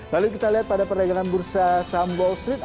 lalu kita lihat pada perdagangan bursa saham wall street